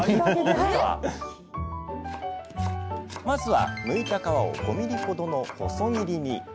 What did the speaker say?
まずはむいた皮を５ｍｍほどの細切りに。